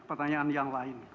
satu pertanyaan yang lain